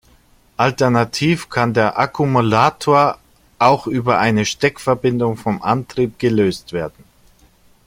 Alternativ kann der Akkumulator auch über eine Steckverbindung vom Antrieb gelöst werden.